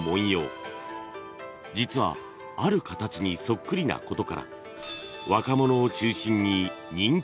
［実はある形にそっくりなことから］